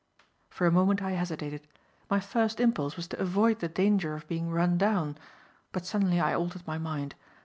For a moment I hesitated. My first impulse was to avoid the danger of being run down; but suddenly I altered my mind.